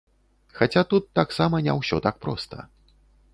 Хаця тут таксама не ўсё так проста.